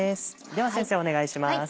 では先生お願いします。